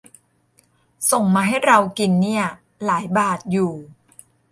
ส่งมาให้เรากินเนี่ย หลายบาทอยู่